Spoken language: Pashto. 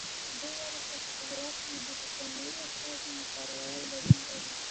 دوی ولیکل چې په هرات کې د برټانیې د استازي مقررول دلیل لري.